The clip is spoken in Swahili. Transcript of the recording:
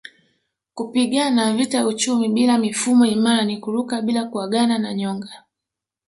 Kupigana vita ya uchumi bila mifumo imara ni kuruka bila kuagana na nyonga